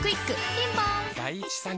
ピンポーン